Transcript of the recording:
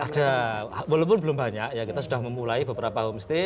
ada walaupun belum banyak ya kita sudah memulai beberapa homestay